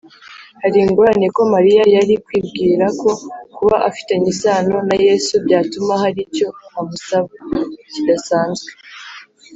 Hari ingorane ko Mariya yari kwibwira ko kuba afitanye isano na Yesu byatuma hari icyo amusaba kidasanzwe